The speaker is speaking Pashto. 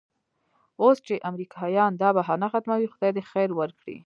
اوس چې امریکایان دا بهانه ختموي خدای دې خیر ورکړي.